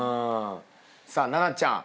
さあ奈々ちゃん。